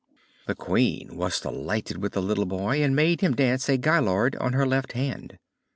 The Queen was delighted with the little boy, and made him dance a gaillard on her left hand.